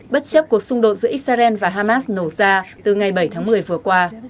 bất chấp cuộc xung đột giữa israel và hamas nổ ra từ ngày bảy tháng một mươi vừa qua